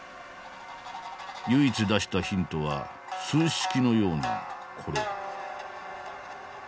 唯一出したヒントは数式のようなこれ。